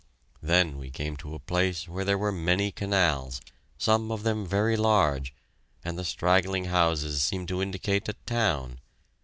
Then we came to a place where there were many canals, some of them very large, and the straggling houses seemed to indicate a town.